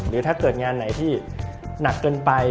ถ้าเกิดงานไหนที่หนักเกินไป